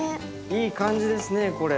いい感じですねこれ。